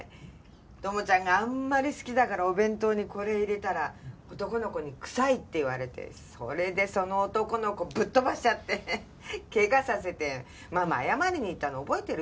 ともちゃんがあんまり好きだからお弁当にこれ入れたら男の子にくさいって言われてそれでその男の子ぶっ飛ばしちゃって怪我させてママ謝りに行ったの覚えてる？